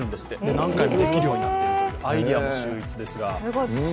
何回もできるようになっていると、アイデアも秀逸ですが。